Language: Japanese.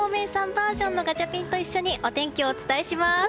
バージョンのガチャピンと一緒にお天気をお伝えします。